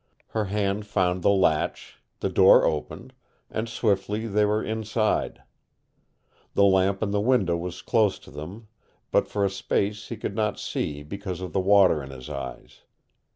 Her hand found the latch, the door opened, and swiftly they were inside. The lamp in the window was close to them, but for a space he could not see because of the water in his eyes.